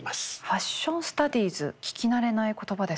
「ファッションスタディーズ」聞き慣れない言葉ですね。